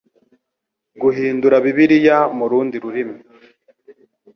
guhindura Bibiliya mu rundi rurimi